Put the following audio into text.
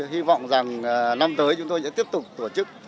hy vọng rằng năm tới chúng tôi sẽ tiếp tục tổ chức